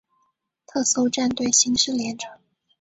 特搜战队刑事连者。